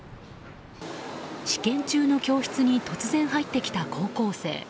試験中の教室に突然入ってきた高校生。